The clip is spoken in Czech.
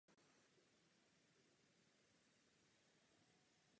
Kouř volně stoupal do prostoru místnosti.